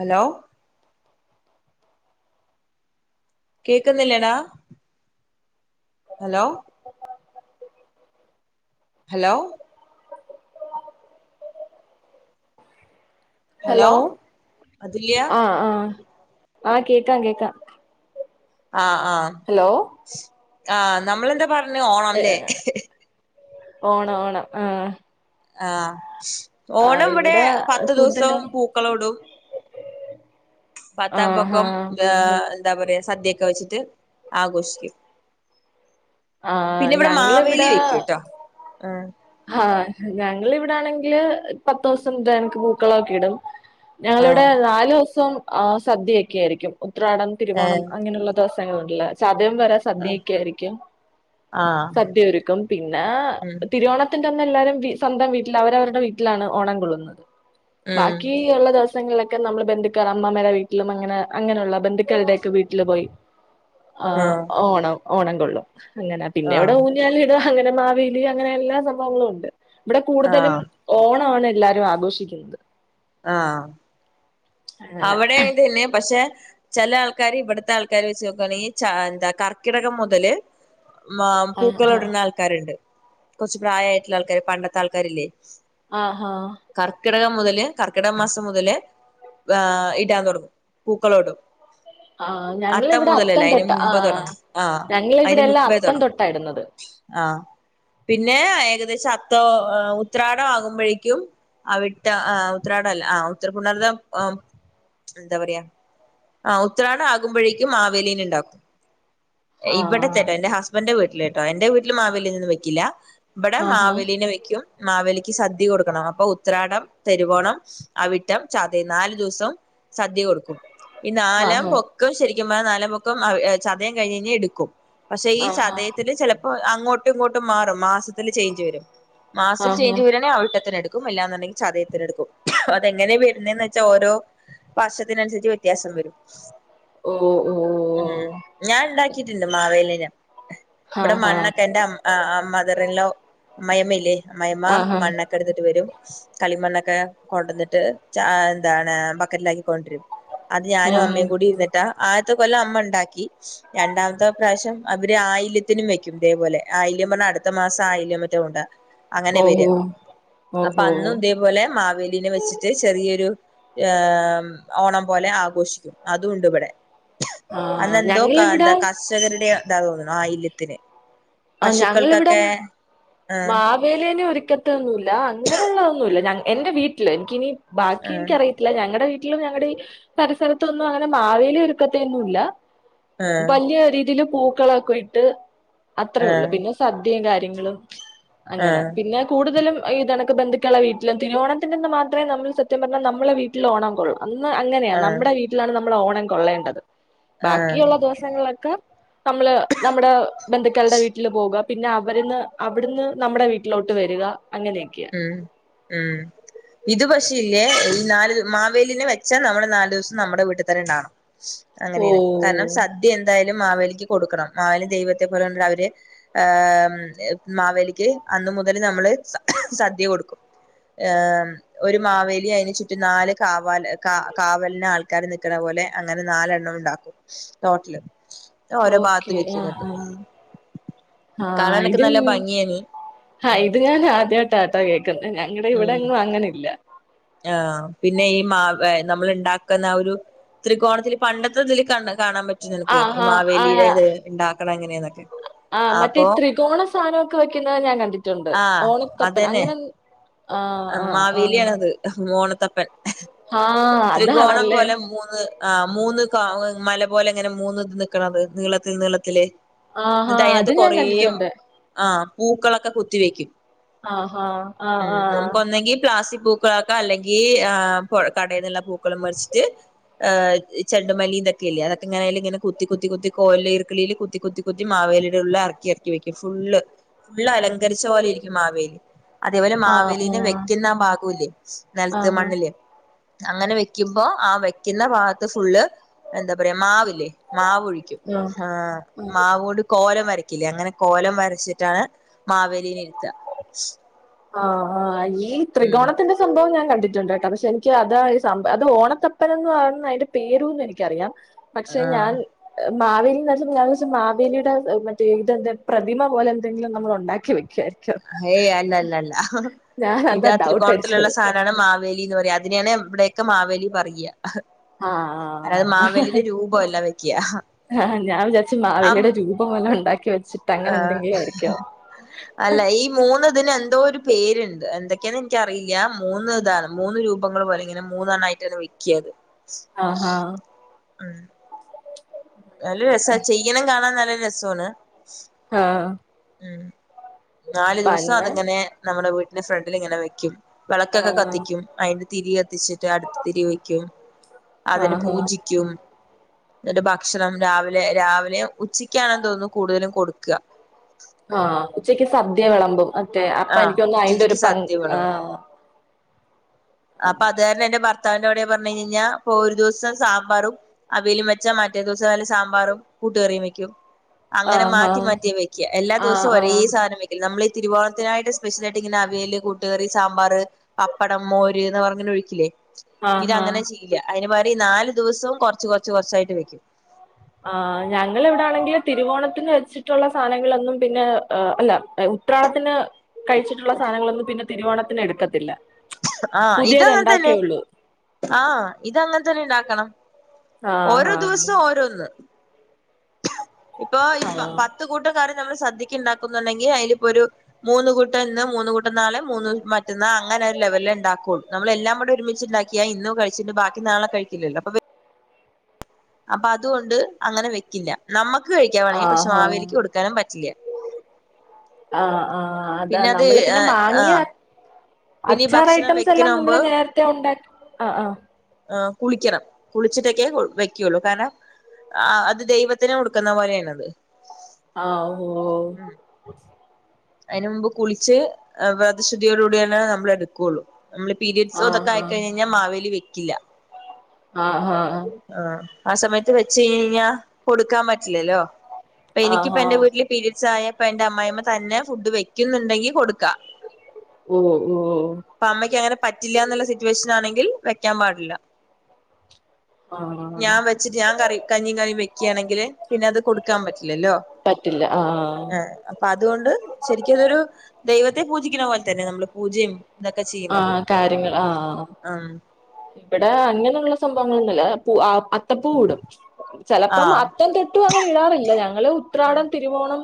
Hello കേക്കുന്നില്ലടാ. Hello hello.. hello. Athulya ആഹ് ആഹ്ആ കേക്കാം കേക്ക. ആഹ് ആഹ് ഹലോ.. ശ് ആ നമ്മളെന്താ പറഞ് ഓണം ല്ലേ ഓണ ഓണം ആഹ് ആഹ് ആഹ് ഓണം വടെ ഇവിടെ പത്തു ദൂസോം കൂടുതലും പൂ ക്കളോടും. പത്താം ആഹാ പൊക്കംതേ എന്താ പറയ സദ്യയൊക്കെ വെച്ചിട്ട് ആഘോഷിക്കും ആഹ് പിന്നെ ഇവിടെ മാവേലി ഞങ്ങളിവിടെ വെക്കൂട്ടോ ആഹ് ആഹ് ഞങ്ങളിവിടാണെങ്കില് പത്ത് ദിവസം ഇത് പോണക്ക് പൂക്കളം ഒക്കെ ഇടും ഞങ്ങളിവിടെ ആഹ് നാല് ദിവസം ആ സദ്യ ഒക്കെ ആയിരിക്കും ഉത്രാടം തിരുവോണം ഏഹ് അങ്ങനുള്ള ദിവസങ്ങളില് ചതയം വരെ സദ്യ ആഹ് ഒക്കെ ആരിക്കും ആഹ് സദ്യ ഒരുക്കും പിന്നെ ഉം തിരുവോണ ത്തിന്റന്ന് എല്ലാരും സ്വന്തം വീട്ടില് അവരവരുടെ വീട്ടിലാണ് ഓണം കൊള്ളുന്നത് ഉം ബാക്കി ഉള്ള ദിവങ്ങൾലൊക്കെ നമ്മള് ബന്ധുക്കാര് അമ്മാമേടെ വീട്ടിലും അങ്ങനെ അങ്ങനുള്ള ബന്ധുക്കളുടെയൊക്കെ വീട്ടില് പോയി ആഹ് ഓണം ഓണം കൊള്ളും അങ്ങനാ പിന്നെ ഇവടെ ആഹ് ഊ ഞ്ഞാലിടും അങ്ങനെ മാവേലി അങ്ങനെ എല്ലാ സംഭവങ്ങളും ഉണ്ട് ഇവിടെ കൂടുതലും ആഹ് ഓണമാണ് എല്ലാരും ആഘോഷിക്കുന്നത് ആഹ് അങ്ങനെ അവടെയും ഇത് തന്നെ പക്ഷേ ചെല ആൾക്കാര് ഇവിടത്തെ ആൾക്കാരെ വച്ച് നോക്കുവാണെങ്കി ച എന്താ കർക്കിടകം മുതല് മാം ആഹ് പൂക്കളം ആഹ് ഇടണ ആൾക്കാരുണ്ട് കൊറച്ച് പ്രായമായിട്ടുള്ള ആൾക്കാര് പണ്ടത്തെ ആൾക്കാരില്ലേ ആഹ് ആഹ് കർക്കിടകം മുതല് കർക്കിട മാസം മുതല് ആഹ് ഇടാൻ തൊടങ്ങും പൂക്കളം ഇടും ആഹ് അത്തം ഞങ്ങളിവിടെ മുതലല്ല അയ്ന് തൊട്ട മുമ്പേ ആഹ് തൊടങ്ങും ആഹ് അയ്ന് ഞങ്ങളിവിടെ എല്ലാം മുമ്പേ അത്തം തൊടങ്ങും തൊട്ടാ ഇടുന്നത് ആഹ് പിന്നെ ഏകദേശം അത്തം ഉത്രാടം ആകുമ്പഴേക്കും അവിട്ടം ആ ഉത്രാടമല്ല ആ ഉത്തര പുണർതം എന്താ പറയാ ആ ഉത്രാടം ആകുമ്പഴേക്കും മാവേലിനെ ഉണ്ടാക്കും ആഹ് ഇവടത്തെട്ടോ എന്റെ ഹസ്ബഡിന്റെ വീട്ടില് കേട്ടോ എന്റെ വീട്ടില് മാവേലിനെ ഒന്നും വെക്കില്ല ഇവടെ ആഹാ മാവേലീനെ വെക്കും മാവേലിക്ക് സദ്യ കൊടുക്കണം അപ്പൊ ഉത്രാടം തിരുവോണം അവിട്ടം ച തയം നാല് ദുവസം സദ്യ കൊടുക്കും ഈ നാലാം ആഹാ പൊ ക്കം ശരിക്കും പറഞ്ഞാ നാലാം പൊക്കം ചതയം കഴിഞ്ഞു കഴിഞ്ഞാൽ എടുക്കും പക്ഷേ ഈ ആഹാ ചതയത്തില് ചെല പ്പം അങ്ങോട്ടും ഇങ്ങോട്ടും മാറും മാസത്തില് ചേഞ്ച് വരും മാസത്തില് ആഹാ ചേഞ്ച് വരുവാണേൽ അവിട്ടത്തിനെടു ക്കും അല്ലാന്നുണ്ടെങ്കി ചതയത്തിനെടുക്കും അതെങ്ങനെയാ വരുന്നേന്ന് വെ ച്ചാ ഓരോ വർഷത്തിന് അനുസരിച്ച് വ്യത്യാസം വരും ഓ ഓ ഉം ഞാൻ ഉണ്ടാക്കീട്ടുണ്ട് മാവേലിനെ ഇവടെ ആഹാ മണ്ണൊക്കെ എന്റെ അമ്മ ആഹ് മതറിൻലോ അമ്മായിയമ്മ ഇല്ലേ അമ്മായിയമ്മ ആഹാ മണ്ണ ക്കെ എടുത്തിട്ട് വരും കളിമണ്ണൊക്കെ കൊണ്ടന്നിട്ട് ചാ എന്താണ് ബക്കറ്റിലാക്കി കൊണ്ട് വരും അത് ഞാനും ആഹാ അമ്മയും കൂടി ഇരുന്നിട്ടാ ആദ്യത്തെ കൊല്ലം അമ്മ ഉണ്ടാക്കി രണ്ടാമത്തെ പ്രാവശ്യം അവര് ആയില്യത്തിനും വെക്കും ഇതേപോലെ ആയില്യം പറഞ്ഞ അടുത്ത മാസം ആയില്ല്യം [unintelligible] അങ്ങനെ ഓഹോ വരിക അപ്പോ ഓഹോ അന്നും ഇതേ പോലെ മാവേലിനെ വെച്ചിട്ട് ചെറിയൊരു ഓണം പോലെ ആഘോഷിക്കും അതും ഉണ്ട് ഇവടെ ആഹ് അന്നെന്തോ ഞങ്ങളിവിടെ കാന്താ കർഷകരുടെ ഇതാ തോന്നണു ആയില്യത്തിന് ആഹ് പശുക്കൾക്കൊക്കെ ആഹ് മാവേലീനെ ഒരുക്കത്തൊന്നുവില്ല അങ്ങനെ ഉള്ളതൊന്നുവില്ല ഞ എന്റെ വീട്ടില് എനിക്കിനി ബാക്കി ആഹ് എനിക്ക്‌ അറിയ ത്തില്ല ഞങ്ങടെ വീട്ടിലും ഞങ്ങടെ ഈ പരിസരത്തും ഒന്നും അങ്ങനെ മാവേലിയെ ഒരുക്കത്തൊന്നുമില്ല ആഹ് വല്ല്യ രീതിയില് പൂക്കളം ഒക്കെ ഇട്ട് അത്രേ ഉള്ളൂ ആഹ് പിന്നെ സദ്യയും കാര്യങ്ങളും ആഹ് അങ്ങനെ പിന്നെ കൂടുതലും ഇത് പോണക്ക് ബന്ധുക്കളുടെ വീട്ടിലും തിരുവോണത്തിന്റെ അന്ന് മാത്രമേ നമ്മൾ സത്യം പറഞ്ഞാ നമ്മളെ വീട്ടിൽ ഓണം കൊള്ളൂ അന്ന് അങ്ങനെയാ ആഹ് നമ്മുടെ വീട്ടിലാണ് നമ്മൾ ഓണം കൊള്ളേണ്ടത് ആഹ് ബാക്കിയുള്ള ദിവ ങ്ങളൊക്കെ നമ്മള് നമ്മുടെ ബന്ധുക്കളുടെ വീട്ടില് പോകാം പിന്നെ അവരന്ന് അവിടുന്ന് നമ്മുടെ വീട്ടിലോട്ട് വരിക അങ്ങനെയൊക്കെയാ ഉം ഉം ഇത് പക്ഷേ ഇല്ലേ ഈ നാല് മാവേലിനെ വെച്ചാ നമ്മള് നാല് ദിവസം നമ്മുടെ വീട്ട് തന്നെ ഇണ്ടാവണം. അങ്ങനേണ്. ഓഹ് കാരണം സദ്യ എന്തായാലും മാവേലിക്ക് കൊടുക്കണം മാവേലി ദൈവത്തെ പോലെ കൊണ്ടിട്ട് അവര് ഏഹ് മാവേലിക്ക് അന്ന് മുതൽ നമ്മള് സദ്യ കൊടുക്കും ഏഹ് ഒരു മാവേലി അയിന് ചുറ്റും നാല് കാവാല് കാ കാവലിന് ആൾക്കാര് നിക്ക്ണ പോലെ അങ്ങനെ നാലെണ്ണം ഉണ്ടാക്കും. ട്ടോട്ടല് ഓരോ ഓക്കെ ഭാഗത്ത് വെക്കു ആഹ് ന്നട്ട്. ആഹ് ആഹ് കാണാനൊക്കെ ഇത് നല്ല ഭംഗിയേനി ആഹ് ഉം ഇത് ഞാൻ ആദ്യായിട്ടാട്ടാ കേൾക്കുന്നെ ഞങ്ങടെ ഉം ഇവിടെങ്ങും അങ്ങനില്ല. ആഹ് പിന്നെ ഈ മാവ നമ്മൾ ഉണ്ടാക്കുന്ന ആ ഒരു ത്രികോണത്തില് പണ്ടത്തെ തില് കണ്ട കാണാൻ പ റ്റും നിനക്ക് ആഹ് ഈ ആഹ് മാവേലീടെ ആഹ് ദ് ഇണ്ടാക്ക്ണെ എങ്ങനേന്നൊക്കെ അപ്പൊ സാനമൊക്കെ വെക്കുന്നത് ഞാൻ കണ്ടിട്ടുണ്ട്. ആഹ് ഓണത്തപ്പൻ അതന്നെ അങ്ങനെ ആഹ് ആഹ് ആഹ് മ് ഓണത്തപ്പൻ. ആഹ് ത്രികോണം അതാണല്ലേ പോലെ മൂന്ന് ആഹ് മൂന്ന് ക മല പോലെ ഇങ്ങനെ മൂന്ന് ഇത് നിക്ണത് നീളത്തിൽ നീളത്തില് ആഹാ അത് ഇന്നട്ടയ്നകത്ത് ഞാൻ കൊറേ കണ്ടിട്ടുണ്ട് ആഹ് പൂക്കളൊക്കെ കുത്തിവെക്കും. ആഹാ ആഹ് ഉം ആഹ് നമുക്കൊന്നെങ്കി പ്ലാസ്റ്റിക് പൂക്കളാക്കാ അല്ലെങ്കിൽ ആ പൊഴ കടേന്ന്ള്ള പൂക്കളം മേട്ച്ചിട്ട് ഏഹ് ചെണ്ടുമല്ലിം തൊക്കെയില്ലെ അതൊക്കെങ്ങനയ്ല് ഇങ്ങനെ കുത്തി കുത്തി കുത്തി കോൽല് ഇർക്കിളീല് കുത്തി കുത്തി കുത്തി മാവേലിയുടെ ഉള്ള് എറക്കി എറക്കി വെക്കും. ഫുള്ള് ഫുള്ളലങ്കരിച്ച പോലെ ഇരിക്കും മാവേലി. അതേപോലെ ആഹ് ആഹ് മാവേലീനെ വെക്കുന്ന ആ ഭാഗൂല്ലേ നെൽത്ത് ആഹ് മണ്ണില് അങ്ങനെ വെക്കുമ്പോ ആ വെക്കുന്ന ഭാഗത്ത് ഫുള്ള് എന്താ പറയാ മാവില്ലേ മാവ് ഒഴിക്കും. ഹാ ആഹ് മാവോട് കോലം വരയ്ക്കില്ലേ. അങ്ങനെ കോലം വരച്ചിട്ടാണ് മാവേലീനെ ഇരുത്താ. ആഹ് ആഹ്. യീ ത്രികോണത്തിന്റെ സംഭവം ഞാൻ കണ്ടിട്ടുണ്ടേട്ടോ. പക്ഷെ എനിക്ക് അത് ഈ സം അത് ഓണത്തപ്പനെന്ന് പറയുന്ന അതിന്റെ പേരൂന്ന് എനിക്കറിയാം. പക്ഷെ ആഹ് ഞാൻ മാവേലി ന്ന് അടിച്പ്പോ ഞാൻ വിചാരിച്ചു മാവേലിയുടെ മറ്റേ ഇത് എന്തേം പ്രതിമ പോലെ എന്തെങ്കിലും നമ്മൾ ഉണ്ടാക്കി വയ് ക്ക്യാര്ക്കും. ഹേയ് അല്ലല്ലല്ല. അതാ ഇതാ ഡൗട്ട് ത്രികോണത്തിലുള്ള അടിച്ചത് സാ നാണ് മാവേലി ന്ന് പറയാ. അതിനെയാണ് ഇവിടെയൊക്കെ മാവേലി പറയ. ആഹ് ആ. അതായത് മാവേലിയുടെ രൂപമല്ല വെക്കുക ഹാ ഞാൻ വിചാര്ച്ചു മാവലിയുടെ രൂ പമെല്ലാം ഉണ്ടാക്കി വെച്ച് ആഹ്. അല്ല ഈ മൂന്ന് ഇതിന് എന്തോ ഒരു പേര്ണ്ട്. എന്തൊക്കെയാന്ന് എനിക്കറിയില്ല. മൂന്ന് ഇതാണ് മൂന്ന് രൂപങ്ങൾ പോലെ ഇങ്ങനെ മൂന്നണ്ണായ് ട്ടാണ് വെക്ക്യ അത്. ആഹാ ഉം നല്ല രസാ. ചെയ്യണം കാണാൻ നല്ല രസവാണ്. ആഹ്. ഉം നാലു ദിവസം പിന്നെ അതിങ്ങനെ നമ്മുടെ വീട്ട്ന്റെ ഫ്രണ്ടിലിങ്ങനെ വെക്കും. വെളക്കൊക്കെ ആഹ് കത്തിക്കും. അയിന്റെ തിരി കത്തിച്ചിട്ട് അടുത്ത തിരി വയ്ക്കും. അതിന് ആഹ് പൂജിക്കും. ഇന്നട്ട് ഭക്ഷണം രാവിലെ രാവിലെം ഉച്ചക്കാണെന്ന് തോന്നുന്നു കൂടുതലും കൊടുക്കാ. ആഹ് ഉച്ചക്ക് സദ്യ വിളമ്പും ഒക്കെ അപ്പം ആഹ് എനിക്കോന്ന്ന്ന് അയിൻ്റൊര് ഉച്ചക്ക് പങ്ക് സദ്യ വിളമ്പും അപ്പൊ അത് കാരണം എന്റെ ഭർത്താവിന്റെ അവിടെയാ പറഞ്ഞയഞ് കഴിഞ്ഞാ ഇപ്പോ ഒരു ദിവസം സാമ്പാറും അവിയലും വെച്ചാ മറ്റേ ദിവസം നല്ല സാമ്പാറും കൂട്ടുകറിയും വെക്കും. അങ്ങനെ ആഹ് മാറ്റി മാറ്റിയാ വെക്ക്യ. എല്ലാ ആഹ് ദിവസവും ഒരേ ആഹ് സാധനം വെക്കില്ല്യാ. നമ്മളീ തിരുവോ ത്തിനായിട്ട് സ്പെഷ്യലായിട്ടിങ്ങനെ അവിയല്, കൂട്ടുകറി, സാമ്പാറ്, പപ്പടം, മോര് ന്ന് പറഞ്ഞ് ഇങ്ങനെ ഒഴിക്കില്ലേ. ആഹ് ഇതങ്ങനെ ആഹ് ചെയ്യില്ല. അയിന് പകരം ഈ നാല് ദിവസവും കൊറച്ച് കുറച്ച് കൊറച്ചായിട്ട് വെക്കും. ആഹ്. ഞങ്ങളിവിടാണെങ്കില് തിരുവോണത്തിന് വെച്ചിട്ടുള്ള സാനങ്ങളൊന്നും പിന്നെ അല്ല ഉ ഉത്രാണത്തിന് കഴിച്ചിട്ടുള്ള സാനങ്ങളൊന്നും പിന്നെ തിരുവോണത്തിന് എടുക്കത്തില്ല ആഹ് ഇത് അങ്ങനതന്നെ പുതിയതുണ്ടാക്കേയുള്ളൂ ആഹ ഇതങ്ങനെ തന്നെ ഇണ്ടാക്കണം ഓരോ ആഹ് ദിവസം ഓരോന്ന് ഇപ്പൊ ഈ ആഹ് പത്ത് കൂട്ടം കറി നമ്മൾ സദ്യക്ക് ഇക്കുണ്ടാക്കുന്നുണ്ടെങ്കിൽ അതില് ഇപ്പൊ ഒരു മൂന്ന് കൂട്ടം ഇന്ന് മൂന്ന് കൂട്ടം നാളെ മൂന്ന് മറ്റന്നാ അങ്ങനെ ഒരു ലെവലിലേ ഇണ്ടാക്കൊള്ളൂ നമ്മളെല്ലാം കൂടെ ഒരുമിച്ചിണ്ടാക്കിയാ ഇന്ന് കഴിച്ചിട്ട് ബാക്കി നാളെ കഴിക്കില്ലല്ലോ അപ്പൊ അപ്പൊ അതുകൊണ്ട് അങ്ങനെ വെക്കില്ല നമ്മുക്ക് കഴിക്കാ ആഹ് വേണെങ്കിൽ പക്ഷെ ആഹ് മാവേലിക്ക് കൊടുക്കാനും പറ്റില്ല ആഹ ആഹ് പിന്നെ അതാണ് അത് നമ്മള് പിന്നെ ആ മാങ്ങിയാ പിന്നെ ഈ അച്ചാർ ഭക്ഷണം ഐറ്റംസ് വെക്കണ എല്ലാം മുമ്പ് നമ്മള് നേരത്തെ ഉണ്ടാക്കി ആഹ് ആഹ് ആഹ് കുളിക്കണം കുളിച്ചിട്ടൊക്കെ വെക്കുള്ളൂ കാരണം ആഹ് അത് ദൈവത്തിന് കൊടുക്കുന്ന പോലെ ആണത് ആഹ ഓഹ് അയിന് മുമ്പ് കുളിച്ച് വ്രതശുദ്ധിയോടുകൂടെയന്നെ നമ്മൾ എടുക്കുള്ളൂ നമ്മള് പീരിയഡ്സ് ആഹ് ഇതൊക്കെ ആയിക്കഴിഞ്ഞഴിഞ്ഞാൽ മാവേലി വെക്കില്ല ആഹ് ആഹ് ആഹ ആ സമയത്ത് വെച്ച് കഴിഞ്ഞ് കഴിഞ്ഞാൽ കൊടുക്കാൻ പറ്റില്ലല്ലോ അപ്പൊ ആഹ് എനിക്കിപ്പ എന്റെ ആഹ് വീട്ടില് പീരിയഡ്സ് ആയ ഇപ്പൊ എന്റെ അമ്മായിമ്മ തന്നെ ഫുഡ് വെക്കുന്നുണ്ടെങ്കി കൊടുക്കാം ഉം ഉം അപ്പൊ അമ്മയ്ക്ക് അങ്ങനെ പറ്റില്ലന്നുള്ള സിറ്റുവേഷൻ ആണെങ്കിൽ വെക്കാൻ പാടില്ല ആഹ് ഞാൻ വ വച്ചിട്ട് ഞാൻ കറി കഞ്ഞിയും കറിയും വെക്ക്യാണെങ്കിൽ പിന്നെ അത് കൊടുക്കാൻ പറ്റില്ലല്ലോ പറ്റില്ല ആഹ് ആ അപ്പൊ അതുകൊണ്ട് ശരിക്കും ഇതൊരു ദൈവത്തെ പൂജിക്കുന്ന പോലെ തന്നെ നമ്മള് പൂജയും ഇതൊക്കെ ചെയ്യ്ണത് ആഹ് കാര്യങ്ങൾ ആഹ് ഉം ഇവിടെ അങ്ങനെയുള്ള സംഭവങ്ങളൊന്നില്ല പൂ അത്തപ്പൂ ഇടും ആ ചിലപ്പം അത്തം തൊട്ടും അങ്ങനെ ഇടാറില്ല ഞങ്ങള് ഉം ഉത്രാടം തിരുവോണം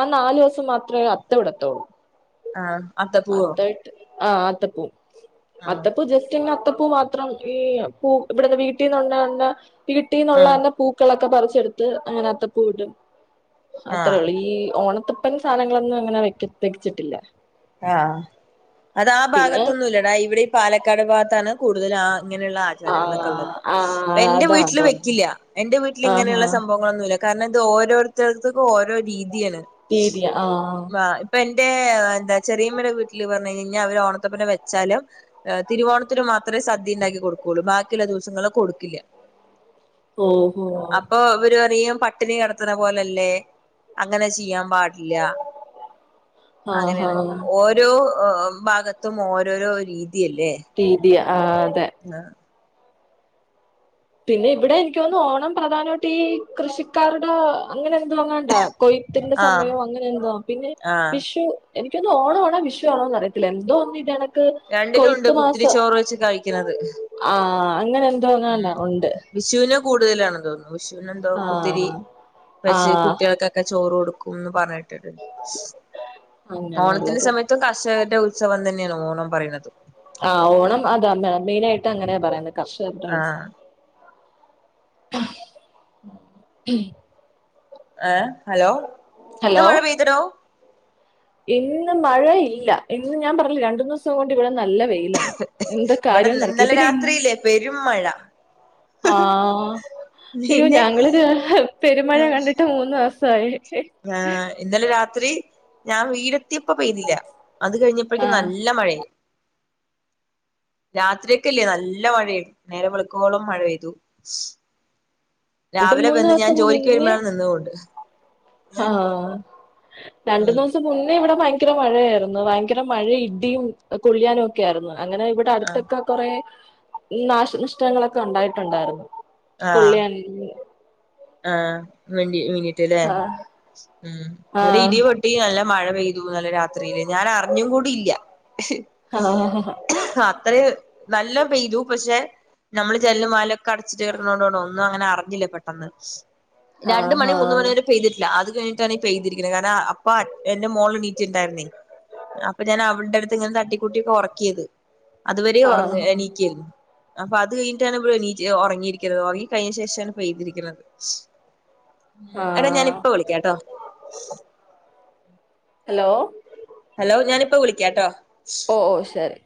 ആ നാല് ദിവസം മാത്രമേ അത്തം ഇടത്തുള്ളൂ ആഹ അത്ത പൂവോ ആഹ് അത്തപ്പൂ ആഹ് അത്തപ്പൂ ജസ്റ്റ് ഇങ്ങനെ അത്തപ്പൂ മാ ത്രം ഈ പൂ ഇവിട്ന്ന് വീട്ടിന്ന് ഉണ്ടാവ്ന്ന വീട്ടിന്നുള്ള ആഹ് തന്നെ പൂ ക്കളൊക്കെ പറിച്ചെടുത്ത് അങ്ങനെ അത്ത പൂവ്ടും ആഹ് അത്രേയൊള്ളൂ ഈ ഓണത്ത പ്പനും സാനങ്ങളൊന്നും അങ്ങനെ വെക്ക് വെച്ചിട്ടില്ല ആഹ അത് പിന്നെ ഭാഗത്തൊന്നുംല്ലെടാ ഇവിടെ ഈ പാലക്കാട് ഭാഗത്താണ് കൂടുതൽ ആഹ് ഇങ്ങനെയുള്ള ആ ആചാരങ്ങളൊക്കെ ഇള്ളത് ആ എന്റെ അതാ വീട്ടില് തോന്നുന്നു വെക്കില്ല എന്റെ വീട്ടിൽ ആഹാ ഇങ്ങനെയുള്ള സംഭവ ങ്ങളൊന്നുംല്ല കാരണം ഇത് ഓരോരുത്തര്ക്കും ഓരോ രീതി ആണ് തീയതിയാ ആ ഇപ്പൊ എന്റെ എന്താ ചെറിയമ്മയുടെ വീട്ടില് പറഞ്ഞു കഴിഞ്ഞഴിഞ്ഞാൽ അവര് ഓണത്തപ്പനെ വെച്ചാലും തിരുവോണത്തിന് മാത്രേ സദ്യ ഇണ്ടാക്കി കൊടുക്കൊള്ളൂ ബാക്കി ഇള്ള ദിവസങ്ങളില് കൊടുക്കില്ല ഓഹോ അപ്പൊ ഇവര് പറിയും പട്ടിണി കെടത്ത്ണ പോലല്ലേ അങ്ങനെ ചെയ്യാൻ പാട ഇല്ല അങ്ങനേണ് ആഹാ ഓരോ ഭാഗത്തും ഓരോരോ രീതിയല്ലേ രീതി ആഹ് അതെ ആഹ് പിന്നെ ഇവിടെ എനിക്ക് തോന്ന്ന്നു ഓണം പ്രധാനമായിട്ട് ഈ കൃഷിക്കാരുടെ അങ്ങനെ എന്തോ എങ്ങാണ്ടാ കൊയ്ത്തിന്റെ ആഹ് സമയം അങ്ങനെ എന്തോ ആ പിന്നെ ആഹ് വിഷു എനിക്കൊന്ന് ഓണം ആണോ വിഷുവാണോ അറിയത്തില്ല എന്തോ ഒന്ന് ഇതണ്ക്ക് രണ്ടിലും ഉണ്ട് കുത്തിരി ചോറ് വെച്ച് കഴിക്കുന്നത് ആഹ അങ്ങനെ എന്തോങ്ങാണ്ടാ ഒണ്ട് വിഷൂന് കൂടുതലാണെന്ന് തോന്നുന്നു വിഷൂന് എന്തോ ആ കുത്തിരി ആ വെച്ച് കുട്ടികൾക്കൊക്കെ ചോറ് കൊടുക്കുംന്ന് പറഞ്ഞിട്ടിട്ടുണ്ട് ഓണത്തിന്റെ അങ്ങനെയുള്ളത് സമയത്തും കർഷകരുടെ ഉ ഉത്സവം തന്നെയാണ് ഓണം പറയുന്നത് ആഹ് ഓണം അതാ മെനായിട്ട് അങ്ങനെയാ പറയുന്നത് കർഷകരുടെ ആഹ് ഉത്സവം ഉം ഏ ഹലോ ഇന്ന് ഹലോ മഴ പൈതിന്നോ ഇന്ന് മഴ ഇല്ല ഇന്ന് ഞാൻ പറഞ്ഞില്ല രണ്ടു ദിവസം കൊണ്ട് ഇവിടെ നല്ല വെയിലാണ് എന്തൊ ഇവിടെ കാര്യം നടത്തി ഇന്നലെ പിന്നെ രാത്രിയില്ലേ പെരും മഴ ആഹ് അയ്യോ പിന്നെ ഞങ്ങളൊരു പെരുമഴ കണ്ടിട്ട് മൂന്ന് ദിവസ സായി ആഹ് ഇന്നലെ രാത്രി ഞാൻ വീട്ട് എത്തിയപ്പ പെയ്തില്ല അത് കഴിഞ്ഞപ്പോഴേകക്കും ആഹ് നല്ല മഴേ രാത്രിയൊക്കയില്ലേ നല്ല മഴെയ്തു നേരെ വെളുക്കുവോളം മഴ പെയ്തു രണ്ട് രാവിലെ മൂന്ന് വന്ന് ഞാൻ ദിവസം ജോലിക്ക് മുന്നേ വരുമ്പോഴാണ് നിന്നത് കൊണ്ട് ആഹ് രണ്ടു ഉം മുന്നിസം മുന്നേ ഇവിടെ ഭയങ്കര മഴയായിരുന്നു ഭയങ്കര മഴ ഇഡിയും കോളിയനും ഒക്കെ ആയിരുന്നു അങ്ങനെ ഇവിടെ ഇവിടെ ആഹ് അടുത്തൊക്കെ കുറെ നാശനിഷ്ടങ്ങളൊക്കെ ഉണ്ടായിട്ടുണ്ടായിരുന്നു ആഹ് കോലിയന്നില് ആഹ് വേണ്ടി വീട്ടല്ലേ ആഹ് ഉം ഇവിടെ ആഹ് ഇടി ഇടിം നല്ല മഴ പെയ്തു ഇന്നലെ രാത്രിയില് ഞാൻ അറിഞ്ഞും കൂടിയില്ല ആഹ് അത്രിം നല്ല പെയ്തു പക്ഷെ നമ്മള് ജനലും വാതിലൊക്കെ ക്കെ അടച്ചിട്ട് കടന്നോണ്ട് ഒന്നും അങ്ങനെ അറിഞ്ഞില്ല പെട്ടന്ന് രണ്ട് മണി ആഹ് മൂന്ന് മണി ഒര് പെയ്തിട്ടില്ല അത് കഴിഞ്ഞിട്ടാണ് ഈ പെയ്തിരിക്കുന്നത് കാരണം അപ്പ എന്റെ മോള് നീറ്റിണ്ടായിരുന്നേ അപ്പൊ ഞാൻ അവളുടെ അടുത്ത് ഇങ്ങനെ തട്ടി കൊട്ടിയൊക്കെ ഉറക്കിയത് അതുവരെയ ആഹ് ആഹ് ഉറങ്ങ നീക്കായിരുന്നു അപ്പൊ അത് കഴിഞ്ഞിട്ടാണ് ഇ ഉറങ്ങിയിരിക്കുന്നത് ഉറങ്ങി കഴിഞ്ഞാ ശേഷമാണ് പൈതിരിക്കണത് ഉ എടാ ഞാൻ ആഹ് ഇപ്പൊ വിളിക്കാട്ടോ ഹലോ ഹലോ ഞാനിപ്പോ വിളിക്കാട്ടോ ഓ ശരി